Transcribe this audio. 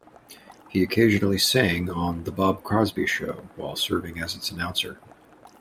He occasionally sang on "The Bob Crosby Show" while serving as its announcer.